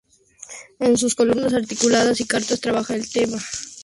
En sus columnas, artículos y cartas trabaja el tema del empoderamiento de la mujer.